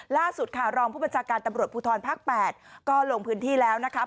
ล่าสุดค่ะรองผู้บัญชาการตำรวจภูทรภาค๘ก็ลงพื้นที่แล้วนะคะ